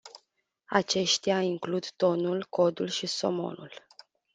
Aceștia includ tonul, codul și somonul.